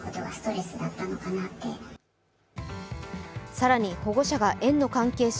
更に、保護者が園の関係者